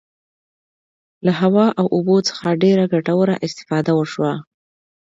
له هوا او اوبو څخه ډیره ګټوره استفاده وشوه.